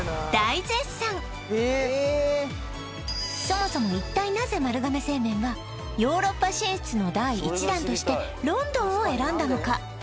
そもそも一体なぜ丸亀製麺はヨーロッパ進出の第一弾としてロンドンを選んだのか？